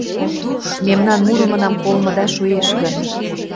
Мемнан мурымынам колмыда шуэш гын